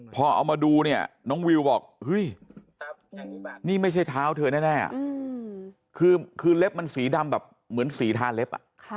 พอเอามาดูเนี่ยน้องวิวบอกเฮ้ยนี่ไม่ใช่เท้าเธอแน่คือเล็บมันสีดำแบบเหมือนสีทาเล็บ